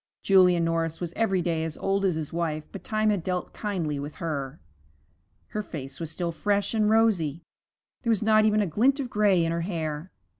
Julia Norris was every day as old as his wife, but time had dealt kindly with her. Her face was still fresh and rosy; there was not even a glint of gray in her hair.